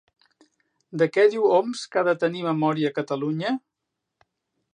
De què diu Homs que ha de tenir memòria Catalunya?